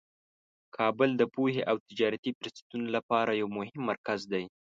کابل د پوهې او تجارتي فرصتونو لپاره یو مهم مرکز دی.